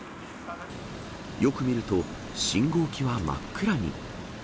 よく見ると、信号機は真っ暗に。